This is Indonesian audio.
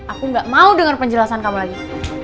aku gak mau dengar penjelasan kamu lagi